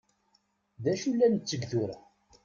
D acu la netteg tura?